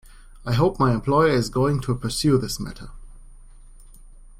I hope my employer is going to pursue this matter.